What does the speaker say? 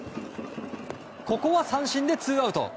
ここは三振でツーアウト。